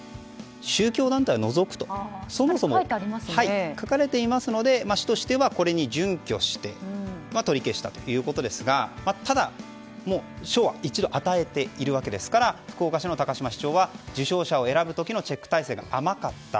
宗教団体を除くとそもそも書かれていますので市としては準拠して取り消したということですがただ、もう賞は一度与えているわけですから福岡市の高島市長は受賞者を選ぶ時のチェック体制が甘かった。